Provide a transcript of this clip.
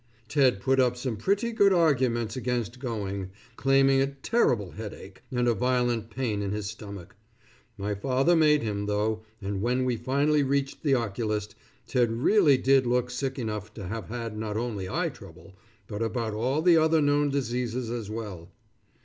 Ted put up some pretty good arguments against going, claiming a terrible headache and a violent pain in his stomach. My father made him though, and when we finally reached the oculist, Ted really did look sick enough to have had not only eye trouble, but about all the other known diseases, as well.